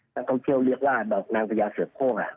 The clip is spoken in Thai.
นักท่องเที่ยวเรียกว่าบอกนางพยาเสือบโค้งอ่ะ